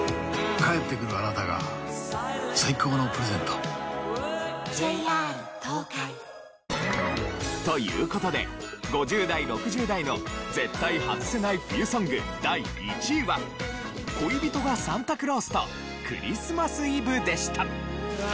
帰ってくるあなたが最高のプレゼント。という事で５０代６０代の絶対ハズせない冬ソング第１位は『恋人がサンタクロース』と『クリスマス・イブ』でした。